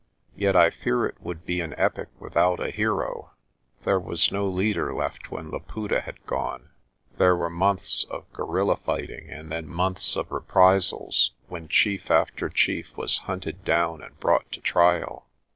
Yet I fear it would be an epic without a hero. There was no leader left when Laputa had gone. There were months of guerrilla fighting and then months of reprisals, when chief after chief was hunted down and brought to trial.